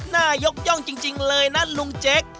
น่ายกย่องจริงเลยนะลุงเจ๊ก